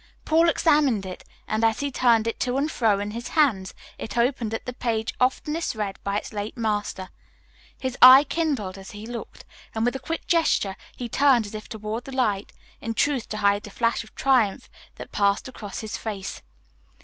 Paul examined it, and as he turned it to and fro in his hands it opened at the page oftenest read by its late master. His eye kindled as he looked, and with a quick gesture he turned as if toward the light, in truth to hide the flash of triumph that passed across his face.